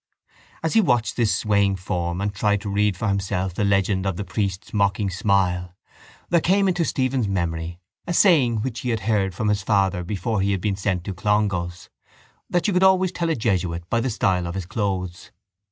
As he watched this swaying form and tried to read for himself the legend of the priest's mocking smile there came into Stephen's memory a saying which he had heard from his father before he had been sent to Clongowes, that you could always tell a jesuit by the style of his clothes.